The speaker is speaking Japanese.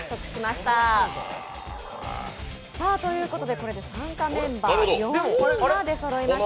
これで参加メンバー４人が出そろいました。